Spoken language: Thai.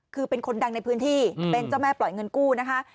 คือเป็นคนดังในพื้นที่เป็นเจ้าแม่ปล่อยเงินกู้นะคะ